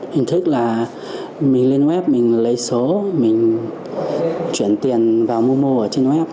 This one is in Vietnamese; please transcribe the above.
hình thức là mình lên web mình lấy số mình chuyển tiền vào mô mô ở trên web